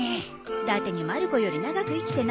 だてにまる子より長く生きてないわよ。